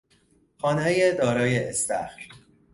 خانهی دارای استخر